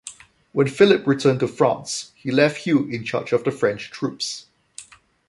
When Philip returned to France, he left Hugh in charge of the French troops.